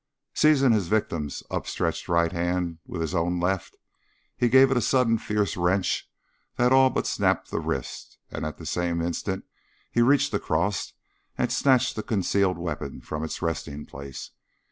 Seizing his victim's upstretched right hand with his own left, he gave it a sudden fierce wrench that all but snapped the wrist, and at the same instant he reached across and snatched the concealed weapon from its resting place.